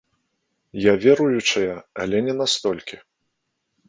Я веруючая, але не настолькі.